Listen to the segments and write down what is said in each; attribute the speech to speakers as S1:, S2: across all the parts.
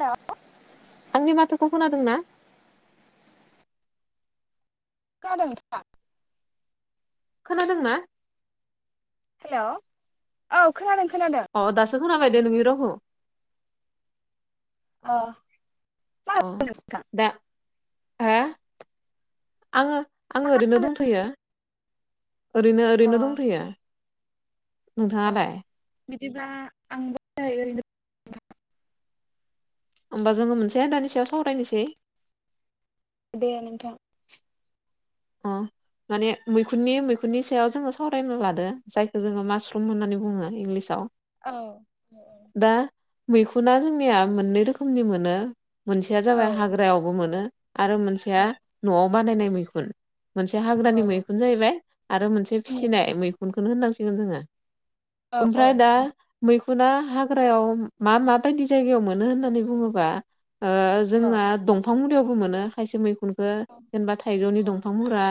S1: Hello
S2: आंनि माथोखौ खोनादों ना
S1: खोनादों नोंथाङा
S2: खोनादों ना
S1: हेल' औ खोनादों खोनादों
S2: अ दासो खोनाबाय दे नोंनि रावखौ
S1: अ मा
S2: अ
S1: नोंथां
S2: दा हा आङो
S1: मा
S2: आङो ओरैनो
S1: खालामदों
S2: दंथ'यो ओरैनो
S1: अ
S2: ओरैनो दंथ'यो
S1: अ
S2: नोंथाङालाय
S1: बिदिब्ला आंबो ओरैनो दं
S2: होमबा जोङो मोनसे दानि सायाव सावरायनोसै
S1: दे नोंथां
S2: अ माने मैखुननि मैखुननि सायाव जोङो सावरायनो लादों जायखौ जोङो मास्रुम होननानै बुङो इंलिसाव
S1: औ
S2: दा मैखुना जोंनिया मोननै रोखोमनि मोनो मोनसेया
S1: औ
S2: जाबाय हाग्रायाव मोनो आरो मोनसेया न'आव बानायनाय मैखुन मोनसे
S1: औ
S2: हाग्रानि मैखुन जाहैबाय आरो मोनसे फिसिनाय मैखुनखौनो होननांसिगोन जोङो
S1: औ
S2: ओमफ्राय दा मैखुना हाग्रायाव मा माबायदि जायगायाव मोनो होननानै बुङोबा
S1: औ
S2: जोंहा दंफां मुरायावबो मोनो खायसे मैखुनखौ जेनेबा थाइजौनि दंफां मुरा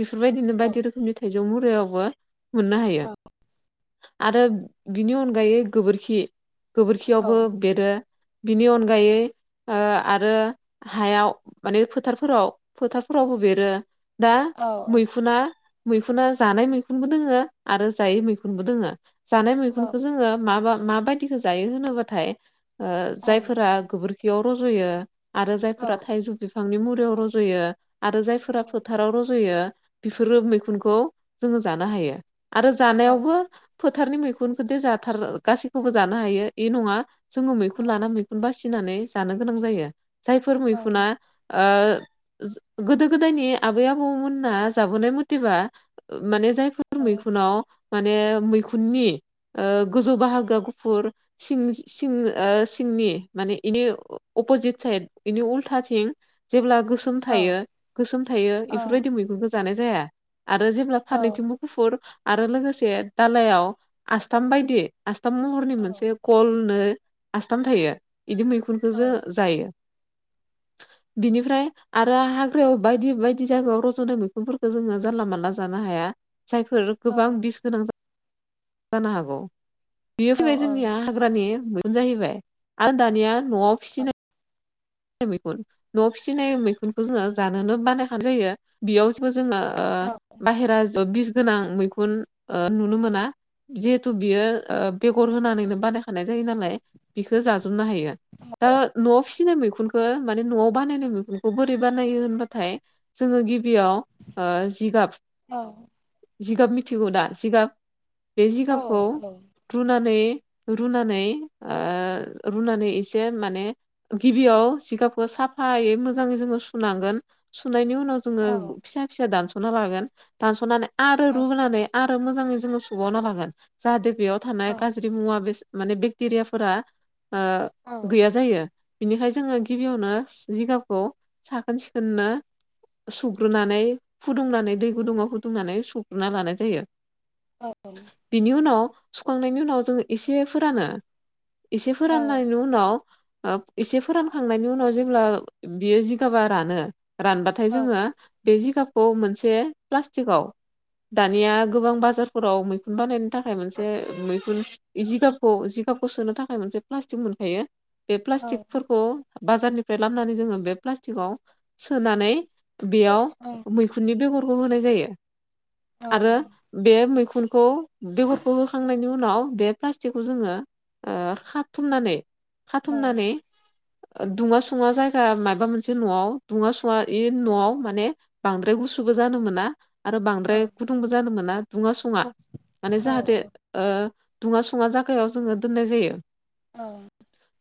S2: बेफोरबायदिनो
S1: औ
S2: बायदि रोखोमनि थाइजौ मुरायावबो मोननो हायो आरो बिनि अनगायै गोबोरखि
S1: औ
S2: गोबोरखियावबो बेरो बिनि अनगायै आरो हायाव माने फोथारफोराव फोथारफोरावबो बेरो दा
S1: औ
S2: मैखुना मैखुना जानाय मैखुनबो दोङो आरो जायै मैखुनबो दोङो जानाय
S1: औ
S2: मैगुनखौ जोङो मा माबायदिखौ जायो होनोबाथाय जायफोरा गोबोरखि खियाव रज'यो आरो
S1: औ
S2: जायफोरा थाइजौ बिफांनि मुरायाव रज'यो आरो जायफोर फोथाराव रज'यो बेफोरो मैखुनखौ जोङो जानो हायो आरो जानायावबो फोथारनि मैखुनखदि जाथार गासैखौबो जानो हायो बे नङा जोङो मैखुन लाना मैखुन बासिनानै जानो गोनां जायो जायफोर मैखुना आ गोदो गोदायनि आबै आबौमोनना जाबोनाय मथेबा माने जायफोर मैखुनाव माने मैखुननि ओ गोजौ बाहागोआ गुफुर सिं सिं ओ सिंनि माने इनि अपजित साइद बेनि उल्थाथिं जेब्ला गोस सोम थायो गोसोम थायो एफोरबायदि मैगुनखौ जानाय जाया आरो जेब्ला फारनैथिं गुफुर आरो लोगोसे दालायाव आसथाम बायदि आसथाम महरनि मोनसे गलनो आसासथाम थायो बिदि मैखुनखौ जो जायो। बिनिफ्राय आरो हाग्रायाव बायदि बायदि जायगायाव रज'दों मैखुनफोरखौ जोंङो जानला मानला जानो हाया जायफोर गोबां बिस गोनां जा जानो हागौ बियो फैबाय जोंनिया [unintelligible] दानिया न'आव फिनाय मैखुन न' फिसिनाय मैखुनखौ जोंङो जानोनो बानायखानाय जायो बेयावसो जोंङो ओ बाहेरा बिस गोनां मैखुन ओ नुनो मोना। जिहेथु बियो ओ बेगर होनानैनो बानायखानाय जायो नालाय बिखौ जाजोबनो हायो दा न'आव फिसिनाय मैखुनखौ माने न'आव बानायनाय मैखुनखौ बोरै बानायो होनबाथाय जोंङो गिबियाव ओ जिगाब
S1: औ
S2: जिगाब मिथिगौ दा जिगाब बे
S1: औ
S2: जिगाबखौ
S1: औ
S2: रुनानै रुनानै ओ रुनानै एसे माने गिबियाव सिगाबखौ साफायै मोजां जोंङो सुनांगोन सुनायनि उनाव
S1: औ
S2: जोंङो फिसा फिसा दानस'ना लागोन दानस'नानै आरो रुनानै आरो मोजांङै सौबावना लागोन जाहाथे बेयाव
S1: औ
S2: थानाय गाज्रि मुवा बेसाद माने बेक्टेरियाफोरा ओ
S1: औ
S2: गैया जायो बिनिफ्राय जोंङो गिबियावनो जिगाबखौ साखोन सिखोननो सुग्रोनानै फुदुंनानै दै गुदुंङाव फुदुंनानै सुग्रोना लानाय जायो।
S1: औ [unintelligible]
S2: बिनि उनाव सुखांनायनि उनाव जोंङो एसे फोरानो एसे
S1: औ
S2: फोराननायनि उनाव ओ एसे फोरान थांनायनि उनाव जेब्ला बियो जिगाबा रानो
S1: औ
S2: रानबाथाय जोंङो बे जिगाबखौ मोनसे प्लास्टिकआव दानिया गोबां बाजारफोराव मैखुन बानायनो थाखाय मोनसे मैखुन जिगाबखौ जिगाबखौ सोनो थाखाय मोनसे प्लास्टिक मोनखायो बे
S1: औ
S2: प्लास्टिकफोरखौ बाजारनिफ्राय लामनानै जोङो बे प्लास्टिकआव सोनानै
S1: औ
S2: बेयाव मैखुननि बेगरखौ होनाय जायो। आरो बे मैखुनखौ बेगरखौ होखांनायनि उनाव बे प्लास्टिकखौ जोंङो खाथुमनानै खाथुमनानै दुङा सुङा जायगा माबा मोनसे न'आव दुंङा सुंङा ए न'आव माने बांद्राय गुसुबो जानो मोना आरो बांद्राय गुदुंबो जादों मोना दुंङा सुंङा माने जाहाथे ओ दुङा सुंङा जागायाव जोंङो दोननाय जायो।
S1: ओं।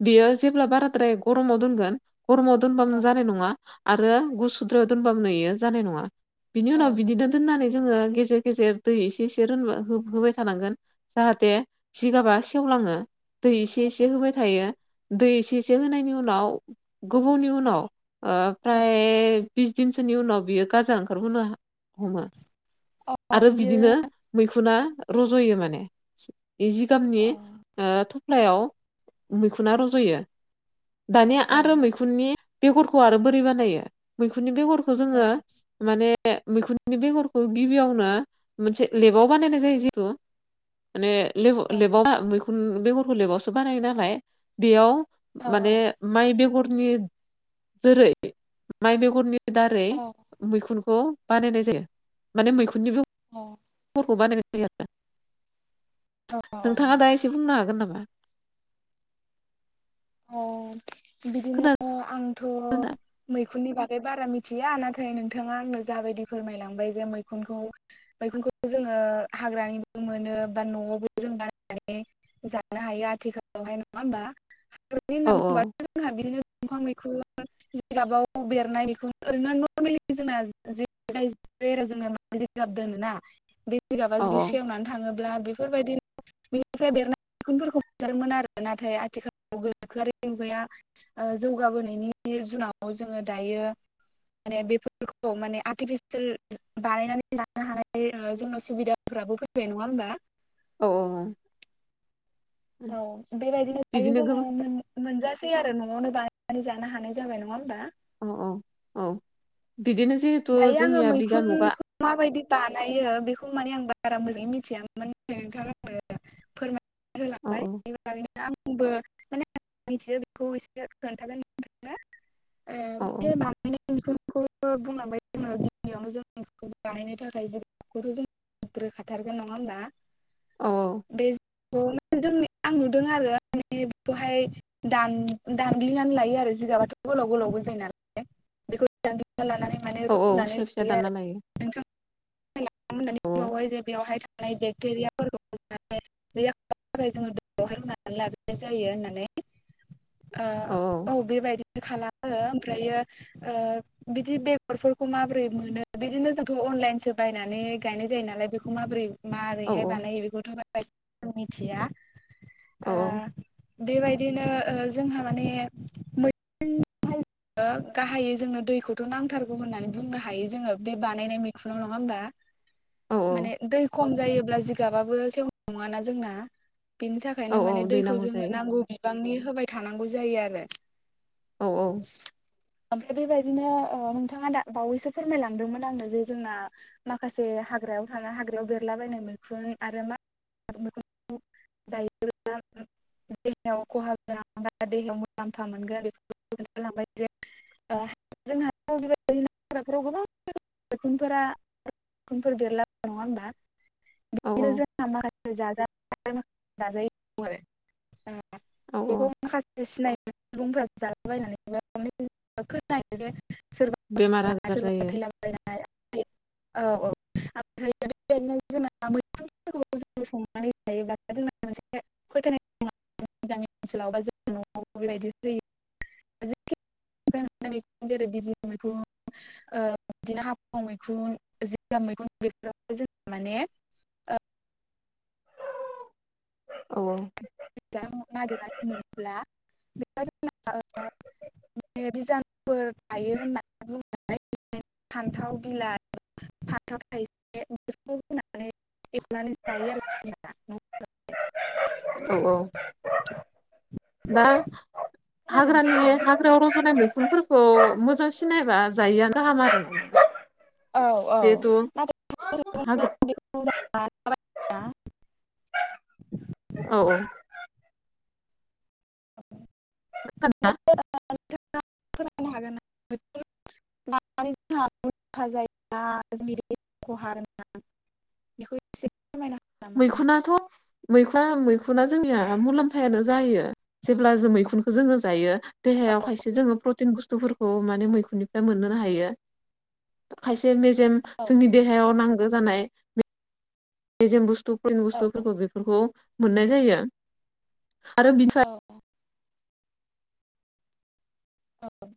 S2: बियो जेब्ला बाराद्राय गरमाव दोनगोन गरमाव दोनबानो जानाय नंङा आरो गुसुद्रायाव दोनबाबो एयो जानाय नंङा बिनि उनाव
S1: औ
S2: बिदिनो दोननानै जोंङो गेजेर गेजेर दै एसे एसे होबाय थानांगोन जाहाथे जिगाबा सेवलांङो दै एसे एसे होबाय थायो दै एसे एसे होनायनि उनाव गोबावनि उनाव
S1: बिदिनो अ अ
S2: ओफ्राय बिस दिनसोनि उनाव बियो गाजा ओंखारबोनो हा
S1: औ औ
S2: आरो बिदिनो मैखुना रज'यो माने जि गामिनि ओ थफ्लायाव मैखुना रज'यो। दानिया आरो मैखुननि बेगरखौ आरो बोरै बानायो मैखुननि बेगरखौ जोङो माने मैखुननि बेगरखौ गिबियावनो मोनसे लेबाव बानायनाय जायो जेरै माने लेबाव मैखुन बेगरखौ लेबावसो बानायो नालाय बेयाव माने माइ बेगरनि जेरै माइ बेगरनि दारै मैखुनखौ बानायनाय जायो माने मैखुननिबो
S1: औ
S2: [unintelligible]
S1: औ
S2: नोंथाङा दा एसे बुंनो हागोन नामा?
S1: अ
S2: खोना
S1: बिदिनो आंथ' मैखुननि बागै बारा मिथिया नाथाय नोंथाङा आंनो जाबायदि फोरमायलांबाय जे मैखुनखौ मैखुनखौ जोङो हाग्रानिबो मोनो बा न'आवबो जों बानायनानै जानो हायो आथिखालावहाय नङा होमबा
S2: औ
S1: [unintelligible] जिगाबाव बेरनाय बेखौनो ओरैनो नरमेलि जोंना जाय जेराव जोंना मा जिगाब दोनोना बे जिगाबा
S2: औ
S1: जुदि सेवनानै थाङोब्ला बे बेफोरबायदिनो बिनिफ्राय बेरनाय बिखुनफोरखौ मोनजादोंमोन आरो नाथाय आथिखाल गाखो आरो बिफाया जौगाबोनायनि जुनाव जोंङो दायो माने बेफोरखौ माने आर्टिफिसियेल बानायनानै लानो हानाय जोंनाव सुबिदा फ्राबो फैबाय नङा होमबा
S2: औ औ औ
S1: औ बेबायदिनो दायो
S2: बिदिनो
S1: जों
S2: गोबां
S1: मोनजासै आरो न'आवनो बानायनानै जानो हानाय जाबाय नङा होमबा।
S2: औ औ औ बिदिनो जे
S1: दायो आङो मैखुनखौ माबायदि बानायो बेखौ माने आं बारा मोजाङै मिथियामोन नोंथाङा आंनो फोरमाय
S2: औ औ
S1: [unintelligible] [unintelligible] जो गिबियावनो जों बानायनो थाखाय [unintelligible] नङा होमबा।
S2: औ
S1: बे जोंनि आं नुदों आरो माने बेखौहाय दानग्लिनानै लायो आरो जिगाबाथ' गोलाव गोलावबो जायो नालाय। बेखौ दानग्लिना लानानै माने
S2: औ औ
S1: रुनानै
S2: फिसा फिसा
S1: लायो
S2: दानना
S1: आरो नोंथां होननानै
S2: औ
S1: बुंबावबाय जे बेवहाय थानाय बेक्टेरियाफोरखौ [unintelligible] दैनो थाखाय जोङो दैआवहाय रुनानै लाग्रोनाय जायो होननानै ओ औ बेबायदिनो खालामो ओमफ्रायो ओ बिदि बेगर बेखौ माबोरै मोनो बिदिनो जोंथ' अनलाइनसो बायनानै गायनाय जायो नालाय बेखौ माबोरै
S2: औ
S1: माबोरैहाय बानायो बेखौथ' बारा एसेबां मिथिया।
S2: औ
S1: बेबायदिनो जोंहा माने [unintelligible] [unintelligible] गाहायै जोंनो दैखौथ' नांथारगौ होननानै बुंनो हायो जोङो। बे बानायनाय मैखुनाव नङा होमबा
S2: औ
S1: माने दै खम जायोब्ला जिगाबाबो सेव नङाना जोंना बिनि
S2: औ
S1: थाखायनो माने दैखौ
S2: दैनांगौ
S1: जोङो
S2: जायो
S1: नांगौ बि बिबांनि होबाय थानांगौ जायो आरो।
S2: औ औ
S1: ओमफ्राय बेबायदिनो नोंथाङा दा बावैसो फोरमायलांदोंमोन आंनो जे जोंना माखासे हाग्रायाव थानाय हाग्रायाव बेरलाबायनाय मैखुन आरो मा मैखुन जाय [unintelligible] [unintelligible] [unintelligible] [unintelligible]
S2: औ
S1: बिदिनो जोंहा माखासे जाथानाय जाजायै‌ दं आरो
S2: औ
S1: बेखौ माखासे सिनायनो सुबुंफोरा जालाबायनानै [unintelligible]
S2: बेमार
S1: [unintelligible]
S2: आजार
S1: सोरबा
S2: जायो
S1: थैला बायनाय औ औ ओमफ्राय [unintelligible] जोंना मेखुन [unintelligible] संनानै जायोब्ला जोंना मोनसे फोथायनाय दं जोंनि गामि ओनसोलाव बा जों न'आव बेबायदि होयो [unintelligible] जेरै [unintelligible] बिदिनो हाफाव मैखुन जिगाब मैखुन बेफोराव जों माने
S2: औ
S1: नागिरनाय मोनब्ला बेखौ जोंना ओ बिजानुफोर थायो होननानै बुङो नालाय बेखायनो फान्थाव बिलाइ फाथाव थाइसे बेफोरखौ होनानै एवनानै जायो आरो जोंना
S2: औ-औ दा
S1: खोनादों
S2: हाग्रानि
S1: नोंथां?
S2: हागा फोराव रजनाय मैखुनफोरखौ मोजां सिनायाबा जायैआ गाहाम आरो
S1: औ औ
S2: जिहेतु
S1: नाथाय
S2: हाग्रा
S1: बेखौ
S2: औ औ
S1: [inaudible]
S2: खोनादोना
S1: [unintelligible] नांथा नुंथा जायोबा जोंनिनो खहा आरोना बेखौ एसे नामा?
S2: मैखुनाथ मैखुन मैखुना जोंनिया मुलाम्फायानो जायो जेब्ला जों मैखुनखो जोङो जायो देहायाव खायसे जोङो प्रटिन बुस्थुफोरखौ माने मैखुननि मोनोनो हायो खायसे मेजेम
S1: औ
S2: जोंनि देहायाव नांगौ जानाय मेजेम बुसतु प्रतिन
S1: औ
S2: बुसतुफोरखौ बेफोरखौ मोननाय जायो आरो
S1: अ औ